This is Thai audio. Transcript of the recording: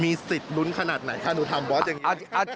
มีสิทธิ์ลุ้นขนาดไหนคะหนูทำบอสอย่างนี้